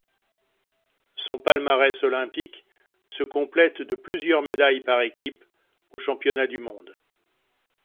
Son palmarès olympique se complète de plusieurs médailles par équipes aux championnats du monde.